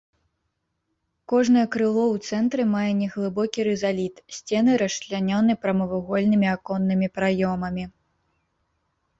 Кожнае крыло ў цэнтры мае неглыбокі рызаліт, сцены расчлянёны прамавугольнымі аконнымі праёмамі.